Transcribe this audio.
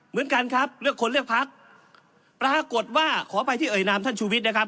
เหมือนกันครับเลือกคนเลือกพักปรากฏว่าขออภัยที่เอ่ยนามท่านชูวิทย์นะครับ